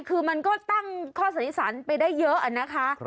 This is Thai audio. คือมันก็ตั้งข้อสันนิษฐานไปได้เยอะนะคะ